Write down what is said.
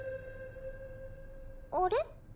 あれ？